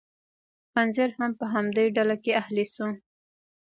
خنزیر هم په همدې ډله کې اهلي شو.